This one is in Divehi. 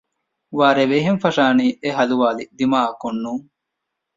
ވާރޭ ވެހެން ފަށާނީ އެހަލުވާލި ދިމާއަކުން ނޫން